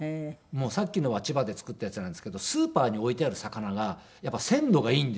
さっきのは千葉で作ったやつなんですけどスーパーに置いてある魚が鮮度がいいんですよね。